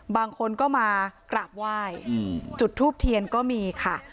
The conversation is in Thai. บางคนก็มากราบไหว้จุดทูบเทียนก็มีค่ะ